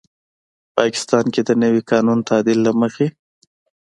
پاکستان کې د نوي قانوني تعدیل له مخې